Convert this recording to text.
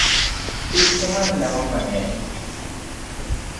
Kik imadh ndawa mang'eny.